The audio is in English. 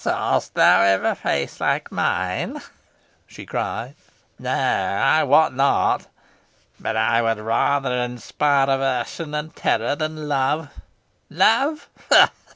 "Saw'st thou ever face like mine?" she cried. "No, I wot not. But I would rather inspire aversion and terror than love. Love!